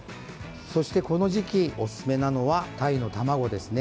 そして、この時期おすすめなのはタイの卵ですね。